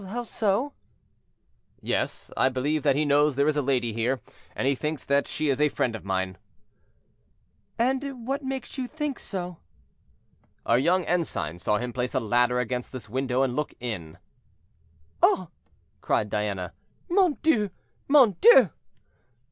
"—"How so?" "Yes; I believe that he knows there is a lady here, and he thinks that she is a friend of mine." "And what makes you think so?" "Our young ensign saw him place a ladder against this window and look in." "Oh!" cried Diana; "mon Dieu! mon Dieu!"